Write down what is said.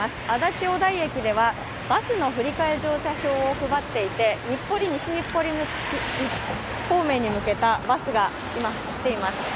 足立小台駅ではバスの振替乗車票を配っていて日暮里−西日暮里方面に向けたバスが今出ています。